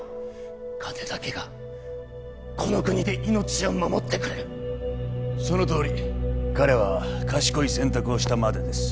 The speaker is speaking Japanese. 金だけがこの国で命を守ってくれるそのとおり彼は賢い選択をしたまでです